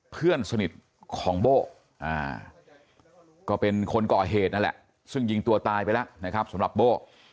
ซึ่งยิงตัวตายไปแล้วนะครับสำหรับโบ